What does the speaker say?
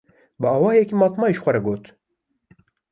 Bi awayekî matmayî ji xwe re got: